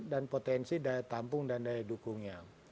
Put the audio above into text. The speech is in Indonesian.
dan potensi daya tampung dan daya dukungnya